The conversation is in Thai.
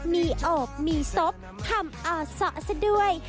มีโอบมีศพคำอ่อสะซะด้วย